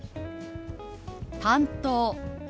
「担当」。